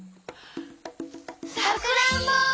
さくらんぼ！